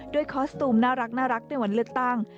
ด้วยคอสตูมน่ารักในวันลึกตั้ง